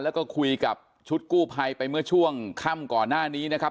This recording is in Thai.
แล้วก็คุยกับชุดกู้ภัยไปเมื่อช่วงค่ำก่อนหน้านี้นะครับ